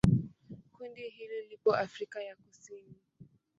Kundi hili lipo Afrika ya Kusini.